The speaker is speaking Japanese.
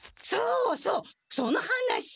そうそうその話！